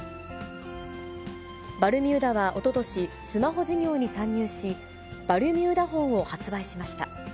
バルミューダはおととし、スマホ事業に参入し、バルミューダフォンを発売しました。